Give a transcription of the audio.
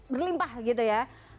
berlimpah gitu ya